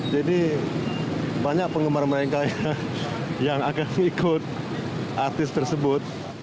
jadi banyak penggemar mereka yang akan ikut artis tersebut